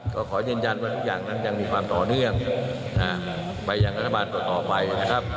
ก็ขอยืนยันว่าทุกอย่างนั้นยังมีความต่อเนื่องไปอย่างรัฐบาลต่อไปนะครับ